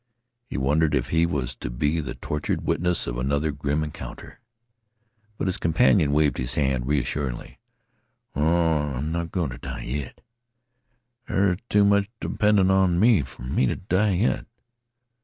He wondered if he was to be the tortured witness of another grim encounter. But his companion waved his hand reassuringly. "Oh, I'm not goin' t' die yit! There too much dependin' on me fer me t' die yit.